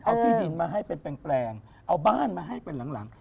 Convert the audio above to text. เอาที่ดินมาให้เป็นแปลงเอาบ้านมาให้เป็นหลัง